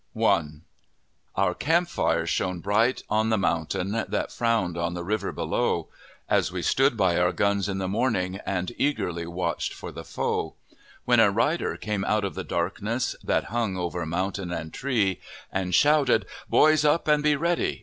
I Our camp fires shone bright on the mountain That frowned on the river below, As we stood by our guns in the morning, And eagerly watched for the foe; When a rider came out of the darkness That hung over mountain and tree, And shouted, "Boys, up and be ready!